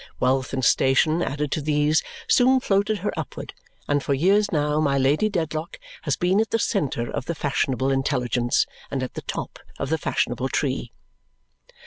Wealth and station, added to these, soon floated her upward, and for years now my Lady Dedlock has been at the centre of the fashionable intelligence and at the top of the fashionable tree.